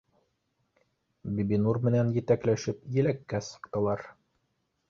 Бибинур менән етәкләшеп еләккә сыҡтылар